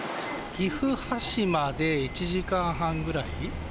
岐阜羽島で１時間半ぐらい。